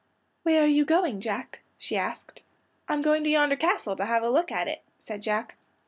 "Where are you going, Jack?" she asked. "I'm going to yonder castle to have a look at it," said Jack.